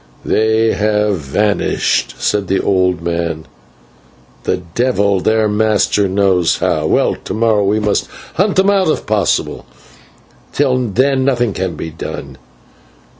"They have vanished," said the old man, "the devil their master knows how. Well, to morrow we must hunt them out if possible, till then nothing can be done.